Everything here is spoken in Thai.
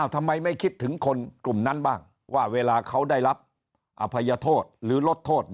ทำไมไม่คิดถึงคนกลุ่มนั้นบ้างว่าเวลาเขาได้รับอภัยโทษหรือลดโทษ